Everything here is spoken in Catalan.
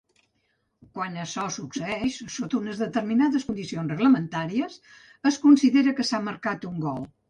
Quan açò succeeix, sota unes determinades condicions reglamentàries, es considera que s'ha marcat un gol.